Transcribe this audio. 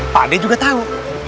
pak de juga tahu